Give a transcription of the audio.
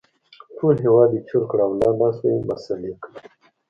ټول هېواد يې چور کړ او لا ناست دی مسالې کوي